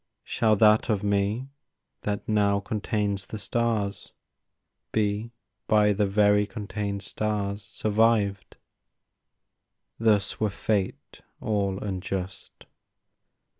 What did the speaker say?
Shall that of me that now contains the stars Be by the very contained stars survived? Thus were Fate all unjust.